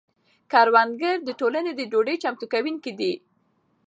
کروندګر د ټولنې د ډوډۍ چمتو کونکي دي.